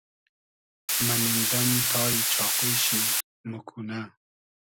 مۂ نیم دئم تای چاقوی شی ، موکونۂ